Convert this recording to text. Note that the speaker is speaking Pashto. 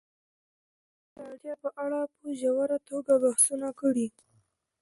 ازادي راډیو د روغتیا په اړه په ژوره توګه بحثونه کړي.